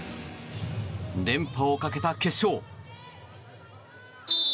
連覇をかけた決勝。